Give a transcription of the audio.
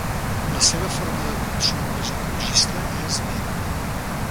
La seva forma de consum més ecologista és vera.